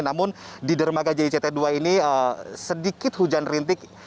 namun di dermaga jict dua ini sedikit hujan rintik